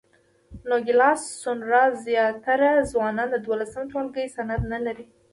د نوګالس سونورا زیاتره ځوانان د دولسم ټولګي سند نه لري.